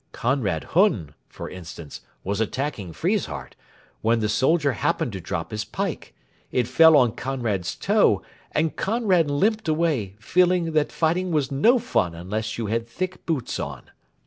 Conrad Hunn, for instance, was attacking Friesshardt, when the soldier happened to drop his pike. It fell on Conrad's toe, and Conrad limped away, feeling that fighting was no fun unless you had thick boots on.